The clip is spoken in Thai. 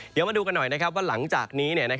เดี๋ยวมาดูกันหน่อยว่าหลังจากนี้